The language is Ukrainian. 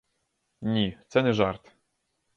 Ні, це не жарт.